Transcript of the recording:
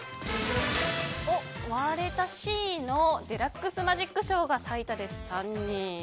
割れた、Ｃのデラックスマジックショーが最多で３人。